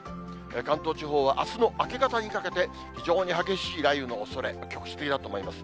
関東地方はあすの明け方にかけて、非常に激しい雷雨のおそれ、局地的だと思います。